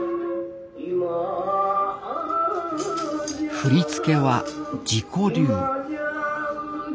振り付けは自己流。